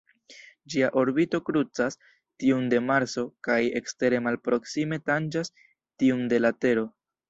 Ĝia orbito krucas tiun de Marso kaj ekstere malproksime tanĝas tiun de la Tero.